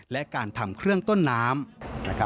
และการทำเครื่องต้นน้ำ